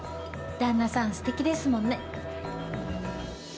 旦那さん素敵ですもんね。